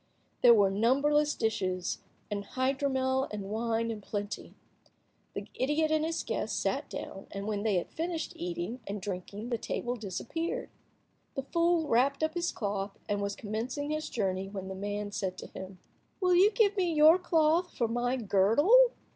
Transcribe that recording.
There were numberless dishes, and hydromel and wine in plenty. The idiot and his guest sat down, and when they had finished eating and drinking the table disappeared. The fool wrapped up his cloth, and was commencing his journey, when the man said to him— "Will you give me your cloth for my girdle?